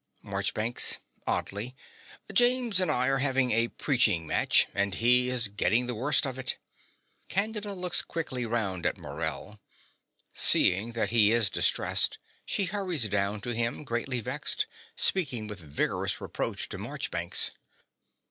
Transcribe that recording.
MARCHBANKS (oddly). James and I are having a preaching match; and he is getting the worst of it. (Candida looks quickly round at Morell. Seeing that he is distressed, she hurries down to him, greatly vexed, speaking with vigorous reproach to Marchbanks.)